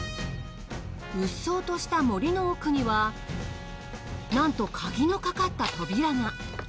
うっそうとした森の奥にはなんと鍵のかかった扉が。